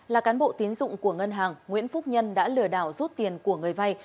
là cán bộ tiến dụng của ngân hàng nguyễn phúc nhân đã lừa đảo rút tiền của người vay